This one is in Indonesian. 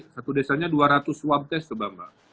satu desanya dua ratus swab test coba mbak